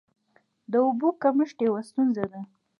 د اوبو کمښت یوه ستونزه ده.